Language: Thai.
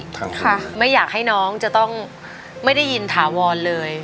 ท่านค่ะไม่อยากให้น้องจะต้องไม่ได้ยินถาวรเลย